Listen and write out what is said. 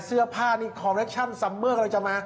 เสื้อผ้านี่คอเล็กชันซัมเมอร์ก็เลยจะมา